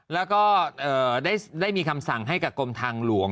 แล้วก็ได้มีคำสั่งให้กับกรมทางหลวง